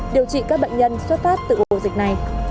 điều trị các bệnh nhân xuất phát từ ổ dịch này